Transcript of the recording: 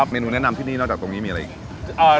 เมนูแนะนำที่นี่นอกจากตรงนี้มีอะไรอีก